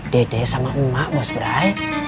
dede sama emak mas brai